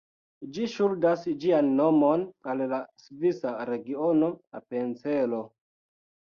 Ĝi ŝuldas ĝian nomon al la svisa regiono Apencelo.